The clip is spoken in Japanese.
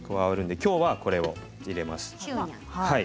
きょうは、これを入れます。